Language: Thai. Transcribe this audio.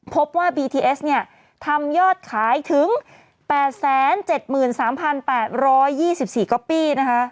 พบว่าบีทีเอสเนี่ยทำยอดขายถึงแปดแสนเจ็ดหมื่นสามพันแปดร้อยยี่สิบสี่ก็ปี้นะคะ